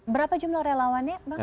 berapa jumlah relawannya